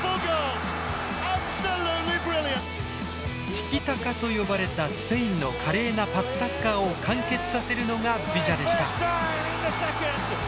「ティキタカ」と呼ばれたスペインの華麗なパスサッカーを完結させるのがビジャでした。